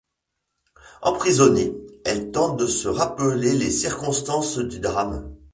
Emprisonnée, elle tente de se rappeler les circonstances du drame.